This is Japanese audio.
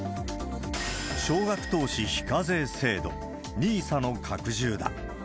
少額投資非課税制度・ＮＩＳＡの拡充だ。